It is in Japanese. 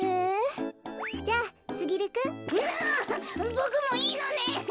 ボクもいいのね。